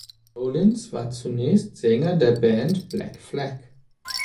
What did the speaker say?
Rollins war zunächst Sänger der Band Black Flag.